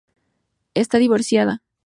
Está divorciada.